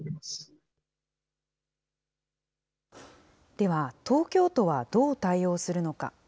では、東京都はどう対応するのか。